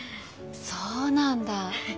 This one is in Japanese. そうなんだ。